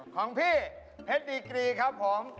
ของพี่เพชรดีกรีครับผม